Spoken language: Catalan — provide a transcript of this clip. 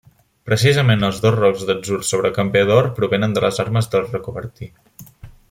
Precisament els dos rocs d'atzur sobre camper d'or provenen de les armes dels Rocabertí.